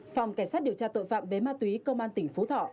phòng cảnh sát điều tra tội phạm về ma túy công an tỉnh phú thọ